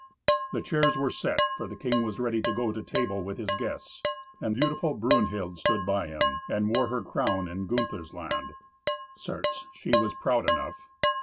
The chairs were set, for the king was ready to go to table with his guests, and beautiful Brunhild stood by him, and wore her crown in Gunther's land. Certes, she was proud enough.